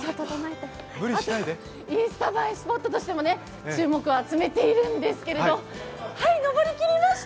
インスタ映えスポットしても注目を集めているんですけど、はい、上り切りました。